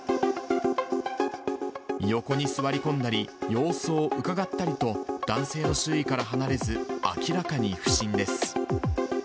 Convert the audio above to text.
横に座り込んだり、様子をうかがったりと、男性の周囲から離れず、明らかに不審です。